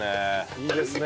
いいですね。